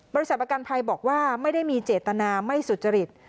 ประกันภัยบอกว่าไม่ได้มีเจตนาไม่สุจริต